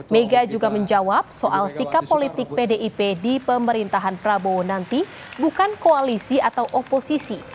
mega juga menjawab soal sikap politik pdip di pemerintahan prabowo nanti bukan koalisi atau oposisi